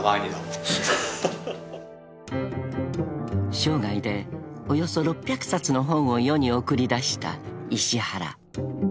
［生涯でおよそ６００冊の本を世に送り出した石原］